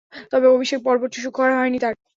তবে, অভিষেক পর্বটি সুখকর হয়নি তার।